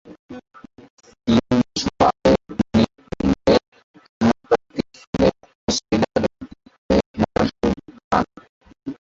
তিন বছর বাদে অনিল কুম্বলে’র আঘাতপ্রাপ্তির ফলে অস্ট্রেলিয়ার বিপক্ষে খেলার সুযোগ পান।